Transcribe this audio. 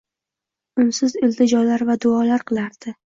unsiz iltijolar va duolar qilardi.